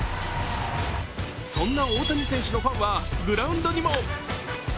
そんな大谷選手のファンはグラウンドにも。